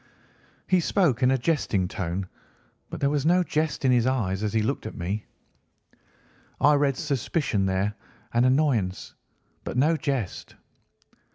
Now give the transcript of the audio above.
He spoke in a jesting tone, but there was no jest in his eyes as he looked at me. I read suspicion there and annoyance, but no jest.